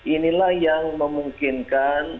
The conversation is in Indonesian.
ini lah yang memungkinkan